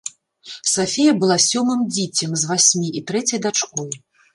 Сафія была сёмым дзіцем з васьмі і трэцяй дачкой.